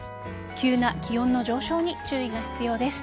急な気温の上昇に注意が必要です。